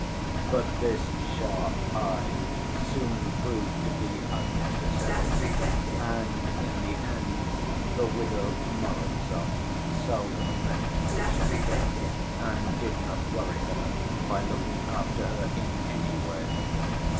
But this sharp eye soon proved to be unnecessary, and in the end the widow Morozov seldom met Grushenka and did not worry her by looking after her in any way.